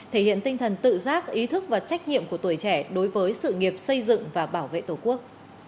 thể hiện tinh thần tự giác ý thức và trách nhiệm của tuổi trẻ đối với sự nghiệp xây dựng và bảo vệ tổ quốc